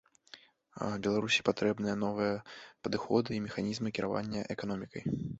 Беларусі патрэбныя новыя падыходы і механізмы кіравання эканомікай.